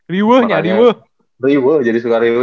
riwuh jadi suka riwuh